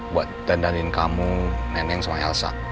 buat dandanin kamu nenek sama elsa